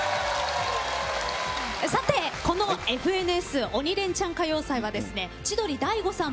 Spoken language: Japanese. さて、この「ＦＮＳ鬼レンチャン歌謡祭」は千鳥・大悟さん